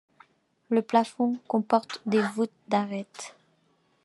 Le plafond comporte des voûtes d'arêtes.